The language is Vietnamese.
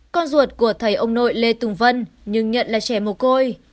con ruột của thầy ông nội lê tùng vân nhưng nhận là trẻ mồ côi